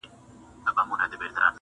ستا دې قسم وي دَ دې ورانو بورجلونو پۀ سر